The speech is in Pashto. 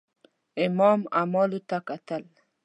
امام عملو ته کتل.